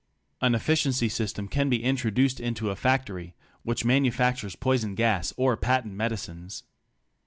An effici ency system can be introduced into a factory which manu factures poison gas or patent medicines.